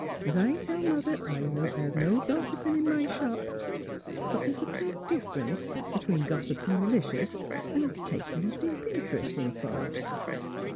Es I tell Mother, I won't hev no gossipin' in my shop. But the's a big differ 'nee b 'tween gossipin' malicious an ' takin ' a deep int 'rest in folks.